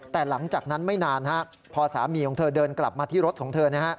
แต่หลังจากนั้นไม่นานพอสามีของเธอเดินกลับมาที่รถของเธอ